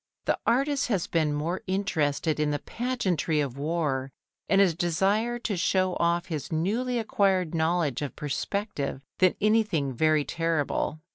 The artist has been more interested in the pageantry of war and a desire to show off his newly acquired knowledge of perspective, than anything very terrible.